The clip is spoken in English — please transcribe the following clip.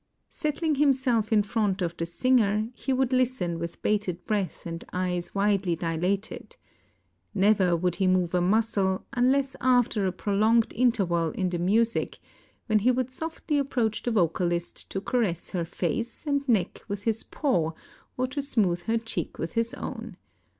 Settling himself in front of the singer, he would listen with bated breath and eyes widely dilated. Never would he move a muscle, unless after a prolonged interval in the music, when he would softly approach the vocalist to caress her face and neck with his paw or to smooth her cheek with his own.